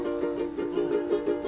うん。